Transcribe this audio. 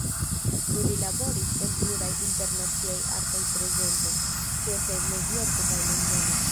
Do li laboris en pluraj internaciaj artaj prezentoj, ĉefe en Novjorko kaj Londono.